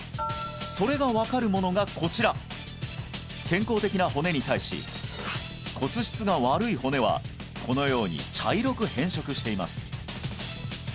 それが分かるものがこちら健康的な骨に対し骨質が悪い骨はこのように茶色く変色しています